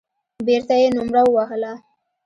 بېرته يې نومره ووهله.